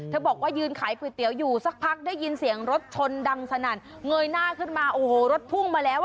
บอกว่ายืนขายก๋วยเตี๋ยวอยู่สักพักได้ยินเสียงรถชนดังสนั่นเงยหน้าขึ้นมาโอ้โหรถพุ่งมาแล้วอ่ะ